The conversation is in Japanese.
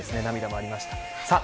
涙もありました。